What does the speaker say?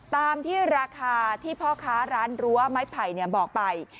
ตามที่ราคาที่พ่อค้าร้านรั้วไม้ไผ่บอกไป